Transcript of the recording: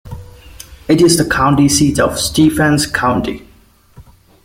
It is the county seat of Stephens County.